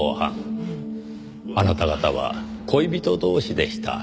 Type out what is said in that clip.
あなた方は恋人同士でした。